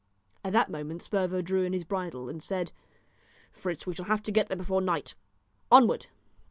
At that moment Sperver drew in his bridle and said "Fritz, we shall have to get there before night onward!"